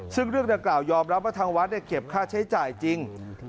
ซึ่งเรื่องดังกล่ายอมรับว่าทางวัดเก็บค่าใช้จ่ายจริง